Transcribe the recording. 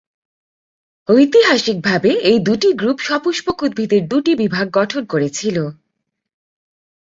ঐতিহাসিকভাবে, এই দুটি গ্রুপ সপুষ্পক উদ্ভিদের দুটি বিভাগ গঠন করেছিল।